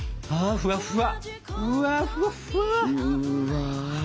ふわふわ。